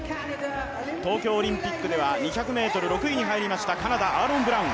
東京オリンピックでは２００ｍ６位に入りましたカナダ、アーロン・ブラウン。